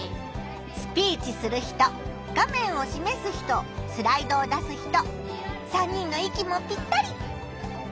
スピーチする人画面をしめす人スライドを出す人３人の息もぴったり！